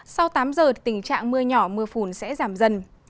sau tám giờ tình trạng mưa nhỏ mưa phùn sẽ giảm dần